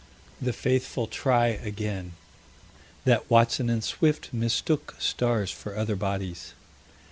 The faithful try again: That Watson and Swift mistook stars for other bodies.